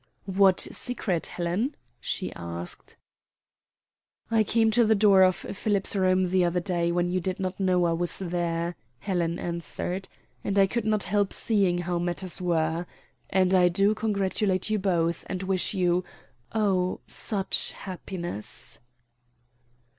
"What secret, Helen?" she asked. "I came to the door of Philip's room the other day when you did not know I was there," Helen answered; "and I could not help seeing how matters were. And I do congratulate you both and wish you oh, such happiness!"